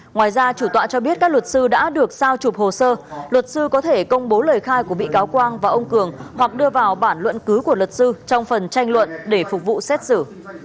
ngoài ra chủ tọa cho biết các luật sư đã được sao chụp hồ sơ luật sư có thể công bố lời khai của bị cáo quang và ông cường hoặc đưa vào bản luận cứ của luật sư trong phần tranh luận để phục vụ xét xử